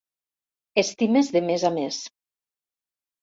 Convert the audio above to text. Estimes de més a més.